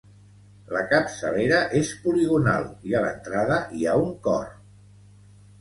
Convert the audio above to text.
La capçalera és poligonal i a l'entrada hi ha un cor.